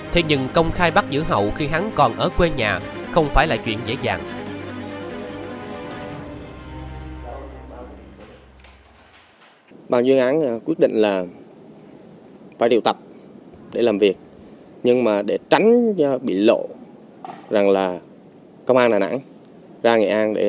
thế nhưng công khai bắt giữ hậu khi hắn còn ở quê nhà không phải là chuyện dễ dàng